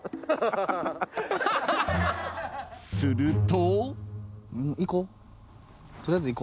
［すると］